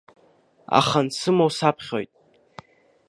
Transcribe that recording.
Аха ансымоу саԥхьоит.